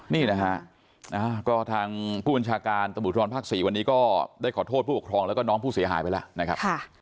นี่นะฮะก็ทางผู้บัญชาการตำรวจภูทรภาค๔วันนี้ก็ได้ขอโทษผู้ปกครองแล้วก็น้องผู้เสียหายไปแล้วนะครับ